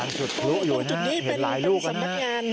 ตรงจุดนี้เป็นสำนักงาน